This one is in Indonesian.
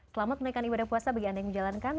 selamat menaikkan ibadah puasa bagi anda yang menjalankan